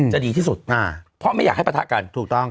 จะดีที่สุดเพราะไม่อยากให้ประทะกัน